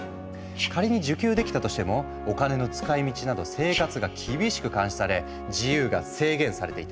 仮に受給できたとしてもお金の使いみちなど生活が厳しく監視され自由が制限されていたんだ。